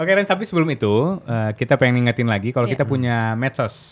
oke ren tapi sebelum itu kita pengen ingetin lagi kalau kita punya medsos